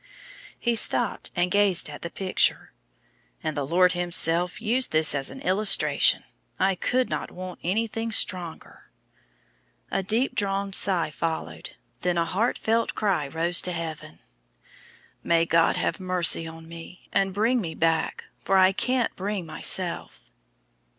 He stopped and gazed at the picture. "And the Lord Himself used this as an illustration. I could not want anything stronger." A deep drawn sigh followed, then a heartfelt cry rose to heaven. "May God have mercy on me, and bring me back, for I can't bring myself!"